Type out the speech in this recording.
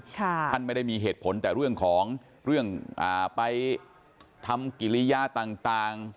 ท่านไม่ได้มีเหตุผลแต่เรื่องของเรื่องอ่าไปทำกิริยาต่าง